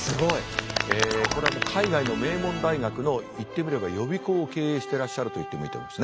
これは海外の名門大学の言ってみれば予備校を経営してらっしゃると言ってもいいと思いますね。